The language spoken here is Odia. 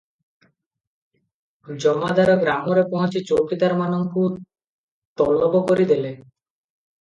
ଜମାଦାର ଗ୍ରାମରେ ପହଞ୍ଚି ଚୌକିଦାରମାନଙ୍କୁ ତଲବ କରି ଦେଲେ ।